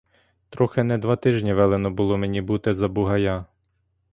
Трохи не два тижні велено було мені бути за бугая.